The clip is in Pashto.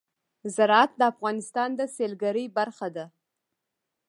زراعت د افغانستان د سیلګرۍ برخه ده.